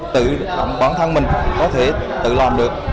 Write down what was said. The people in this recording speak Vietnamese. tự bản thân mình có thể tự làm được